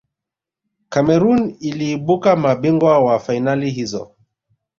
cameroon iliibuka mabingwa wa fainali hizo